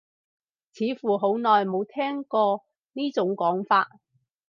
似乎好耐冇聽過呢種講法